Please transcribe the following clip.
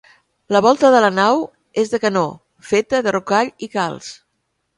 La volta de la nau és de canó, feta de rocall i calç.